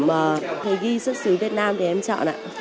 mà thầy ghi xuất xứ việt nam thì em chọn ạ